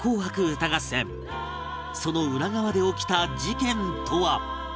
その裏側で起きた事件とは？